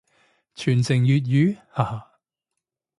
傳承粵語，哈哈